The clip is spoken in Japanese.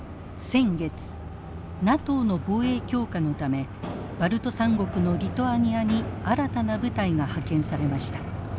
先月ＮＡＴＯの防衛強化のためバルト三国のリトアニアに新たな部隊が派遣されました。